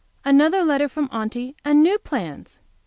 Another letter from Aunty, and new plans!